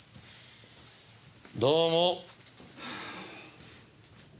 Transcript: どうも。